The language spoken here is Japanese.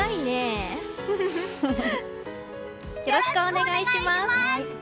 よろしくお願いします！